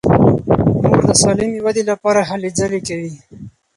مور د سالمې ودې لپاره هلې ځلې کوي.